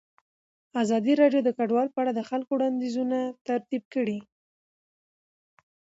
ازادي راډیو د کډوال په اړه د خلکو وړاندیزونه ترتیب کړي.